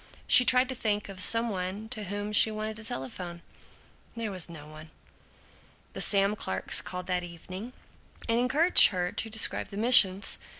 She tried to think of some one to whom she wanted to telephone. There was no one. The Sam Clarks called that evening and encouraged her to describe the missions.